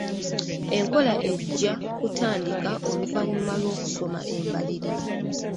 Enkola ejja kutandika oluvannyuma lw'okusoma embalirira.